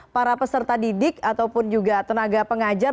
para peserta didik ataupun juga tenaga pengajar